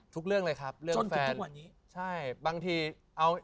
ทุกเรื่องเลยครับเรื่องแฟน